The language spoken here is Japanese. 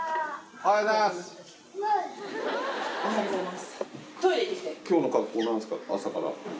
おはようございます。